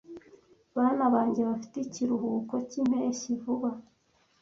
Bana banjye bafite ikiruhuko cyimpeshyi vuba.